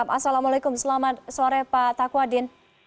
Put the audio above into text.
assalamualaikum selamat sore pak takwadin